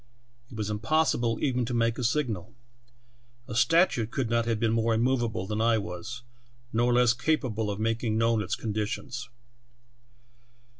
It was impossible even to make a signal. A statue could not have been more immovable than I was, nor less capable of making known its conditions.